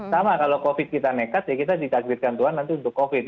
sama kalau covid kita nekat ya kita ditakdirkan tuhan nanti untuk covid